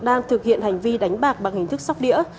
đang thực hiện hành vi đánh bạc bằng hình thức sóc đĩa